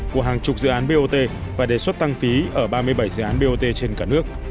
của hàng chục dự án bot và đề xuất tăng phí ở ba mươi bảy dự án bot trên cả nước